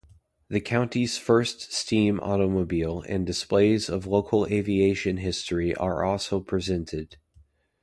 The county's first steam automobile and displays of local aviation history are also presented.